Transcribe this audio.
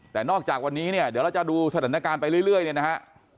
แต่นอกจากวันนี้เนี่ยเดี๋ยวเราจะดูสถานการณ์ไปเรื่อยเนี่ยนะฮะ